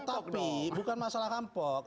tetapi bukan masalah rampok